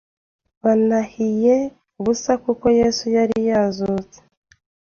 banihiye ubusa kuko Yesu yari yazutse